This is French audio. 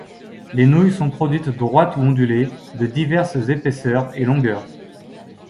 Les nouilles sont produites droites ou ondulées, de diverses épaisseurs et longueurs.